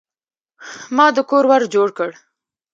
ما د کور ور جوړ کړ.